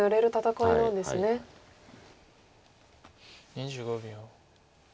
２５秒。